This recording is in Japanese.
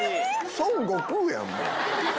孫悟空やん、もう。